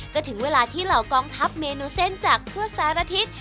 ก็ถึงเวลาที่เหล่ากองทัพเมนูเส้นจากทั่วสารทิศ